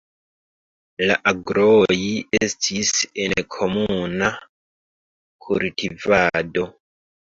La agroj estis en komuna kultivado.